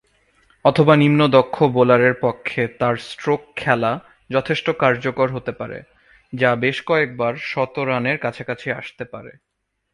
অথবা নিম্ন দক্ষ বোলারের পক্ষে তার স্ট্রোক খেলা যথেষ্ট কার্যকর হতে পারে, যা বেশ কয়েকবার শতরানের কাছাকাছি আসতে পারে।